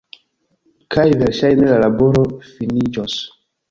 kaj verŝajne la laboro finiĝos